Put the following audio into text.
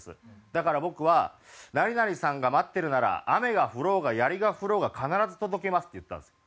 だから僕は「何々さんが待ってるなら雨が降ろうが槍が降ろうが必ず届けます」って言ったんですよ。